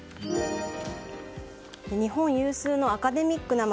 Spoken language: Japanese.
日本有数のアカデミックな街